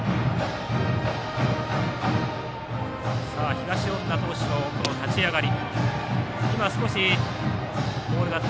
東恩納投手のこの立ち上がり。